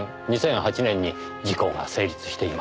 ２００８年に時効が成立しています。